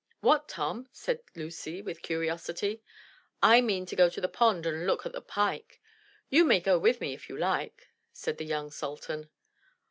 "What Tom?" said Lucy with curiosity. " I mean to go to the pond and look at the pike. You may go with me if you like," said the young sultan.